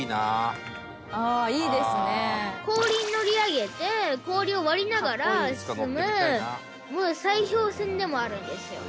氷に乗り上げて氷を割りながら進む砕氷船でもあるんですよ。